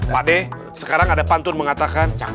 pak de sekarang ada pantun mengatakan